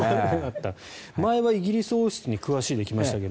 前はイギリス王室に詳しいで来ましたけど。